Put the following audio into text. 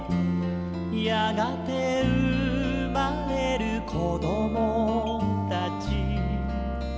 「やがてうまれるこどもたち」